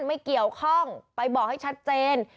ไม่เกี่ยวข้องไปบอกให้ชัดเจน